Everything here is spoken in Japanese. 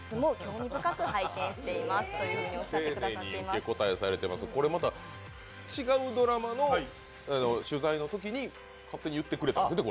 丁寧に受け答えされてますが、これまた違うドラマの取材のときに勝手に言ってくれたんですかね。